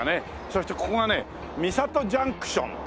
そしてここがね三郷ジャンクション。